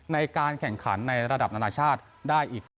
ในการแข่งขันในระดับนานาชาติได้อีก